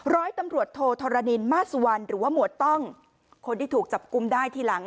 ร้อยตำรวจโทธรณินมาสุวรรณหรือว่าหมวดต้องคนที่ถูกจับกุมได้ทีหลัง